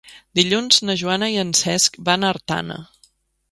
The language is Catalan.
Dilluns na Joana i en Cesc van a Artana.